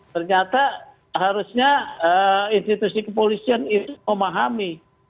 ternyata harusnya institusi kepolisian itu memahami